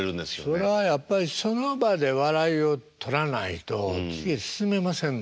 それはやっぱりその場で笑いを取らないと次へ進めませんもんね。